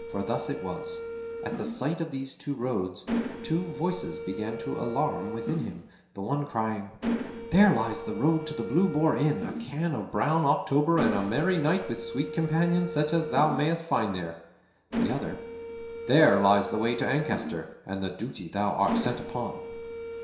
For thus it was: at the sight of these two roads, two voices began to alarum within him, the one crying, "There lies the road to the Blue Boar Inn, a can of brown October, and a merry night with sweet companions such as thou mayst find there;" the other, "There lies the way to Ancaster and the duty thou art sent upon."